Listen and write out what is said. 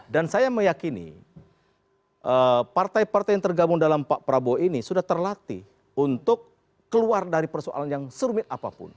dan saya meyakini partai partai yang tergabung dalam pak prabowo ini sudah terlatih untuk keluar dari persoalan yang serumit apapun